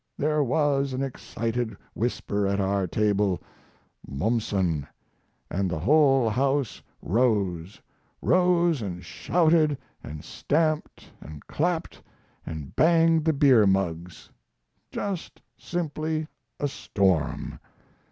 There was an excited whisper at our table "Mommsen!" and the whole house rose rose and shouted and stamped and clapped and banged the beer mugs. Just simply a storm!